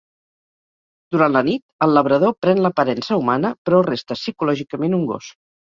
Durant la nit, el labrador pren l'aparença humana, però resta psicològicament un gos.